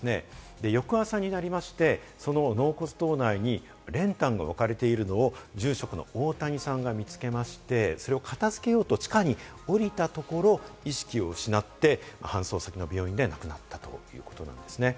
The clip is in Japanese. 翌朝になりまして、その納骨堂内に練炭が置かれているのを住職の大谷さんが見つけまして、それを片付けようと地下に降りたところ、意識を失って、搬送先の病院で亡くなったということなんですね。